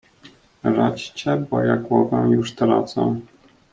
"Radźcie, bo ja głowę już tracę."